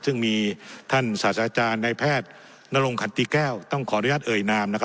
ซึ่งมีท่านศาสตราจารย์ในแพทย์นรงขันติแก้วต้องขออนุญาตเอ่ยนามนะครับ